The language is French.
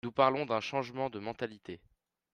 Nous parlons d’un changement de mentalités.